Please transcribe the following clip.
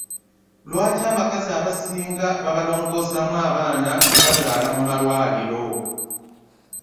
Lwaki abakazi abasinga babalongosaamu abaana nga bazaala mu malwaliro?